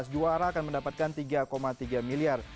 juara akan mendapatkan tiga tiga miliar